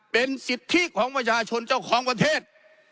เป็นสิทธิของประชาชนเจ้าของประเทศ